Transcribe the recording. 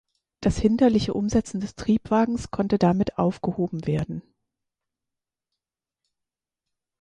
Das hinderliche Umsetzen des Triebwagens konnte damit aufgehoben werden.